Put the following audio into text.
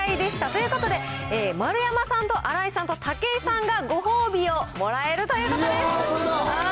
ということで、丸山さんと新井さんと武井さんがご褒美をもらえるということです。